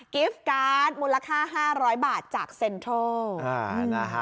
กิฟต์การ์ดมูลค่า๕๐๐บาทจากเซ็นทรัล